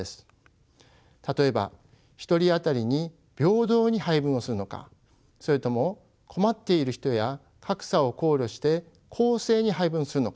例えば１人当たりに平等に配分をするのかそれとも困っている人や格差を考慮して公正に配分するのか。